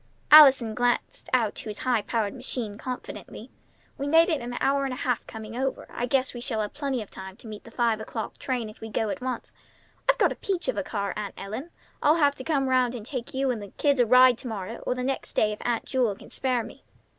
Allison glanced out to his high powered machine confidently. "We made it in an hour and a half coming over. I guess we shall have plenty of time to meet the five o'clock train if we go at once. I've got a peach of a car, Aunt Ellen. I'll have to come round and take you and the kids a ride to morrow or the next day if Aunt Jewel can spare me."